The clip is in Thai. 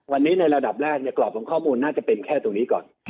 วันนี้ในระดับแรกกรอบของข้อมูลน่าจะเป็นแค่ตรงนี้ก่อน